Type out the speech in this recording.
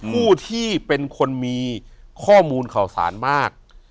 อยู่ที่แม่ศรีวิรัยิลครับ